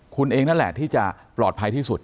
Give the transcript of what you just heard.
คุณเองนั่นแหละที่จะปลอดภัยที่สุด